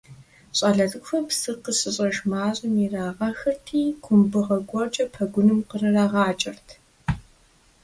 Щӏалэ цӏыкӏухэр псы къыщыщӏэж мащэм ирагъэхырти, кумбыгъэ гуэркӏэ пэгуным кърырагъакӏэрт.